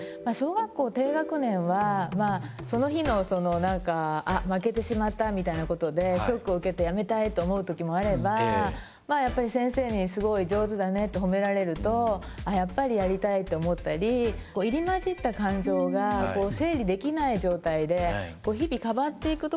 小学校低学年はその日のなんか負けてしまったみたいなことでショックを受けてやめたいって思う時もあればまあやっぱり先生に「すごい上手だね」って褒められると「あっやっぱりやりたい」って思ったり入り交じった感情が整理できない状態で日々変わっていくところがあるので。